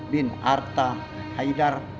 bin arta haidar